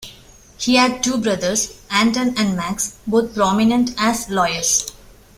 He had two brothers, Anton and Max, both prominent as lawyers.